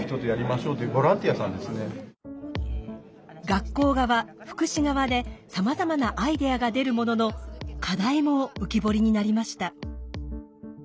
学校側福祉側でさまざまなアイデアが出るものの課題も浮き彫りになりました。